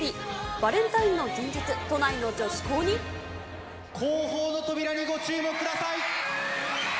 バレンタインの前日、後方の扉にご注目ください。